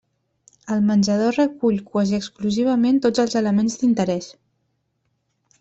El menjador recull quasi exclusivament tots els elements d'interès.